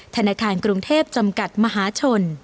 ธนาคารกรุงเทพจำกัดมหาชน